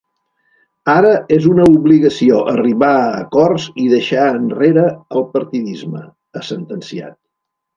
Ara és una obligació arribar a acords i deixar enrere el partidisme, ha sentenciat.